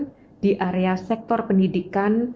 kementerian perhubungan kini mengambil arah sektor pendidikan